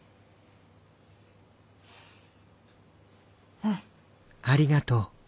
うん。